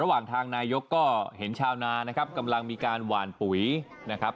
ระหว่างทางนายกก็เห็นชาวนานะครับกำลังมีการหวานปุ๋ยนะครับ